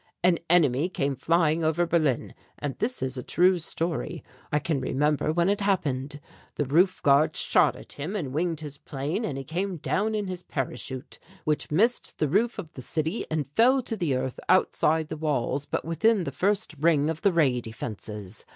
"An enemy came flying over Berlin and this is a true story. I can remember when it happened. The roof guard shot at him and winged his plane, and he came down in his parachute, which missed the roof of the city and fell to the earth outside the walls but within the first ring of the ray defences.